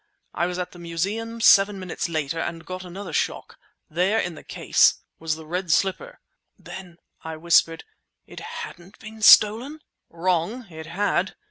I was at the Museum seven minutes later and got another shock! There in the case was the red slipper!" "Then," I whispered—"it hadn't been stolen?" "Wrong! It had!